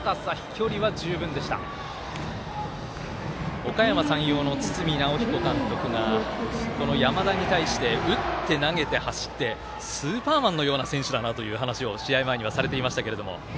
おかやま山陽の、堤尚彦監督がこの山田に対して打って投げて走ってスーパーマンのような選手だなという話を試合前にはしていましたけども。